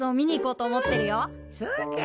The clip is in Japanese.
そうか。